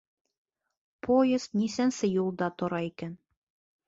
Поезд нисәнсе юлда тора икән?